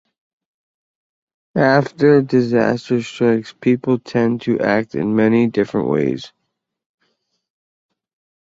After disaster strikes people tend to act in many different ways.